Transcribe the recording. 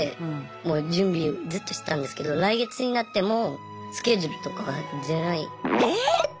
もう準備ずっとしてたんですけど来月になってもスケジュールとかが出ない。